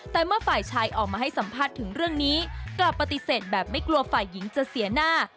แต่เมื่อฝ่ายชายออกมาให้สัมภาษณ์ถึงเรื่องนี้กลับปฏิเสธแบบไม่กลัวฝ่ายหญิงจะเสียหน้า